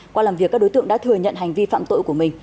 qua làm việc các đối tượng đã thừa nhận hành vi phạm tội của mình